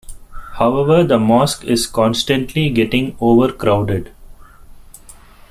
However the mosque is constantly getting overcrowded.